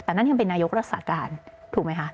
แต่นั่นยังเป็นนายุครัฐศาสตร์การถูกไหมคะ